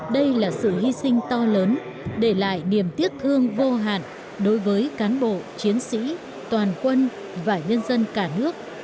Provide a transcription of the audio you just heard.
đây là sự hy sinh to lớn để lại niềm tiếc thương vô hạn đối với cán bộ chiến sĩ toàn quân và nhân dân cả nước